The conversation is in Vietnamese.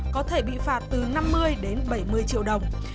có thể bị phạt từ năm mươi đến bảy mươi triệu đồng